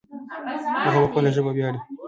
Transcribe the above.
هغه په خپله ژبه ویاړې